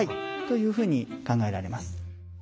というふうに考えられます。